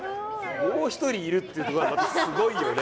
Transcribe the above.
もう一人いるっていうの何かすごいよね。